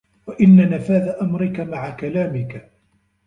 وَإِنَّ نَفَاذَ أَمْرِك مَعَ كَلَامِك